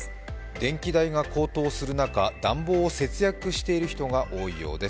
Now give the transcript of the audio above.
電気代が高騰する中、暖房を節約している人が多いようです。